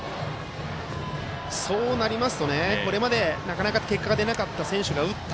そうなりますと、これまでなかなか、結果が出なかった選手が打った。